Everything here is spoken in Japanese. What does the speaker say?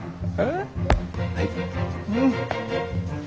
はい。